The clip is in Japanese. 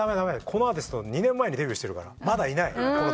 「このアーティスト２年前にデビューしてるからまだいない」